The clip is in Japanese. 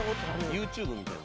ＹｏｕＴｕｂｅみたいな。